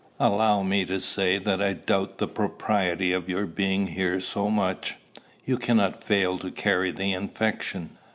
"Allow me to say that I doubt the propriety of your being here so much. You cannot fail to carry the infection.